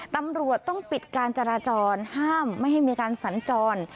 ตำรวจต้องปิดการจราจรห้ามไม่ให้มีการสัญจร